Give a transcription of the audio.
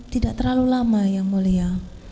tidak terlalu lama ya mulya